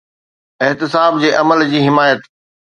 احتساب جي عمل جي حمايت.